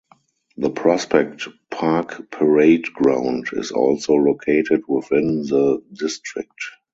The Prospect Park Parade Ground is also located within the district.